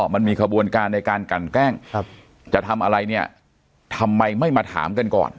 มันมีขบวนการในการกันแกล้งจะทำอะไรเนี่ยทำไมไม่มาถามกันก่อน